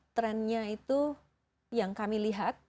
trendnya itu yang kami lihat